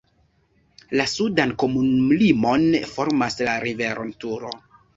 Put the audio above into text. La sudan komunumlimon formas la rivero Turo.